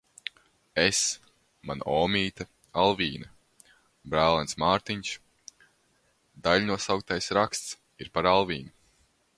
Es, mana omīte Alvīne, brālēns Mārtiņš. Daiļnosauktais raksts ir par Alvīni.